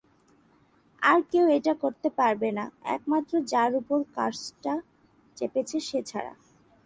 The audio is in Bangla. আর কেউ এটা করতে পারবে না, একমাত্র যার উপর কার্সটা চেপেছে সে ছাড়া।